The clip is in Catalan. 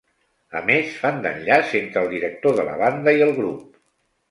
A més, fan d'enllaç entre el director de la banda i el grup.